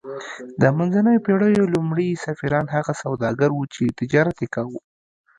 د منځنیو پیړیو لومړي سفیران هغه سوداګر وو چې تجارت یې کاوه